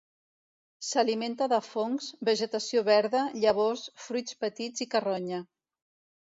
S'alimenta de fongs, vegetació verda, llavors, fruits petits i carronya.